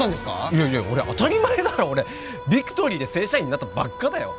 いやいや俺当たり前だろ俺ビクトリーで正社員になったばっかだよ